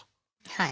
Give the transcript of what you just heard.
はい。